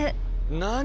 何？